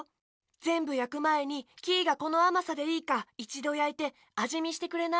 ぜんぶやくまえにキイがこのあまさでいいかいちどやいてあじみしてくれない？